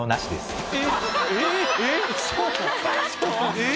えっ？